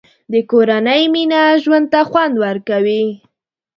د کورنۍ مینه ژوند ته خوند ورکوي.